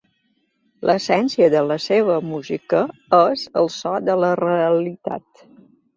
L'essència de la seva música és el so de la realitat.